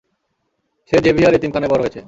সে Xavier এতিমখানায় বড় হয়েছে।